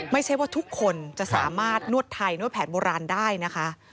ไม่ใช่ว่าทุกคนจะสามารถนวดไทยนวดแผนโบราณได้นะคะ